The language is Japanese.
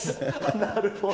なるほど。